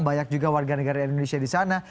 banyak juga warga negara indonesia di sana